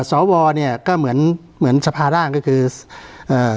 สวเนี่ยก็เหมือนเหมือนสภาร่างก็คือเอ่อ